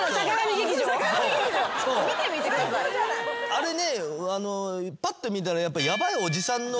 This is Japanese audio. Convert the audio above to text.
あれねぱっと見たら。